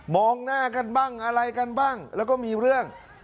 หน้ากันบ้างอะไรกันบ้างแล้วก็มีเรื่อง